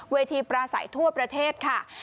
วีธีประสัยทั่วประเทศค่ะ